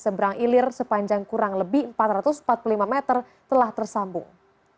seberang ilir sepanjang kurang lebih empat ratus empat puluh lima meter telah tersambung